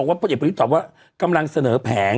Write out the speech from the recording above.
หืมหืม